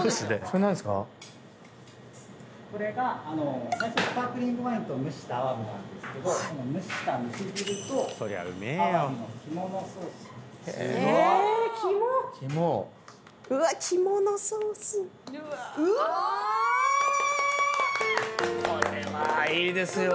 これはいいですよ。